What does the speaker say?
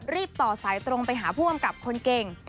ต่อสายตรงไปหาผู้กำกับคนเก่ง